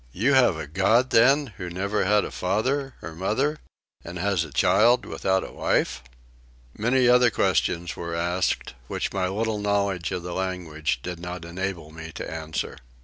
You have a God then who never had a father or mother and has a child without a wife! Many other questions were asked which my little knowledge of the language did not enable me to answer.